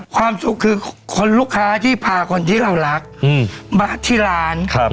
ความสุขคือคนลูกค้าที่พาคนที่เรารักมาที่ร้าน